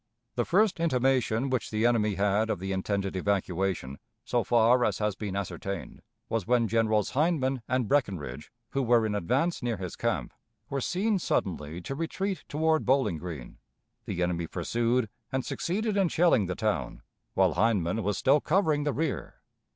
The first intimation which the enemy had of the intended evacuation, so far as has been ascertained, was when Generals Hindman and Breckinridge, who were in advance near his camp, were seen suddenly to retreat toward Bowling Green. The enemy pursued, and succeeded in shelling the town, while Hindman was still covering the rear.